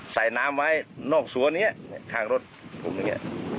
ใส่น้ำไว้นอกสวนนี้ข้างรถพวกนี้